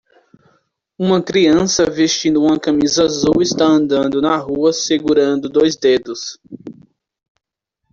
Uma criança vestindo uma camisa azul está andando na rua segurando dois dedos.